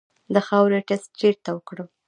د خاورې ټسټ چیرته وکړم؟